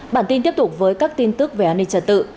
bản tin tiếp tục với các tin tức về an ninh trật tự